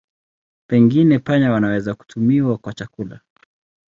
Pengine panya wanaweza kutumiwa kwa chakula.